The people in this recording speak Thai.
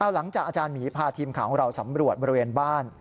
หลังจากอาจารย์หมีพาทีมข่าวของเราสำรวจบริเวณบ้าน